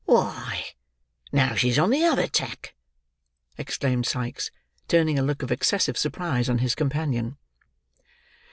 "Why, now she's on the other tack!" exclaimed Sikes, turning a look of excessive surprise on his companion.